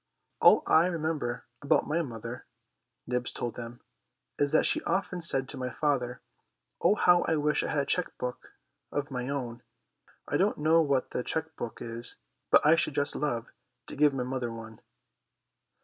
"All I remember about my mother," Nibs told them, "is that she often said to my father, 'Oh, how I wish I had a cheque book of my own!' I don't know what a cheque book is, but I should just love to give my mother one."